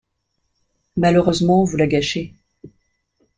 Malheureusement, vous la gâchez.